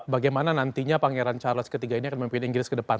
bagaimana nantinya pangeran charles iii ini akan memimpin inggris ke depan